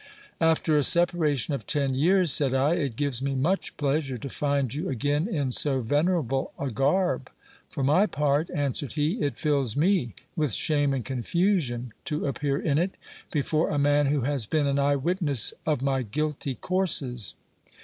After a separation of ten years, said I, it gives me much pleasure to find you again in so venerable a garb. For my part, answered he, it fills me with shame and confusion to appear in it before a man who has been an eye witness of my guilty courses.